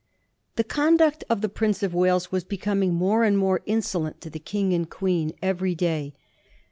THE«conduct of the Prince of Wales was becoming more and more insolent to the King and Queen every day.